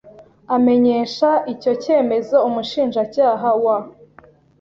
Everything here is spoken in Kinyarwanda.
amenyesha icyo cyemezo Umushinjacyaha wa